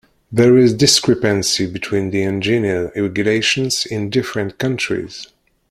There is discrepancy between the engineer regulations in different countries.